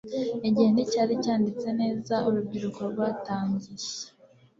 Igihe nticyari cyanditse neza urubyiruko rwatangiye